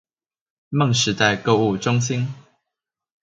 夢時代購物中心